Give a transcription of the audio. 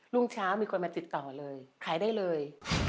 รุ่งเช้ามีคนมาติดต่อเลยขายได้เลย